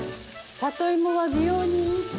里芋は美容にいいって。